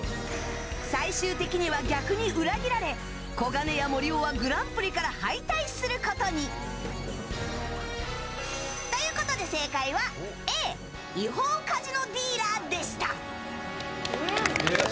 最終的には逆に裏切られ小金屋森魚はグランプリから敗退することに。ということで正解はＡ違法カジノディーラーでした。